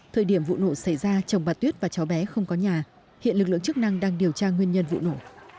thời điểm vụ nổ xảy ra chồng bà tuyết và cháu bé không có nhà hiện lực lượng chức năng đang điều tra nguyên nhân vụ nổ